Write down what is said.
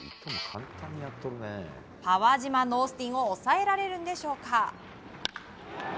パワー自慢のオースティンを抑えられるんでしょうか。